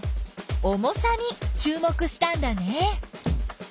重さにちゅう目したんだね。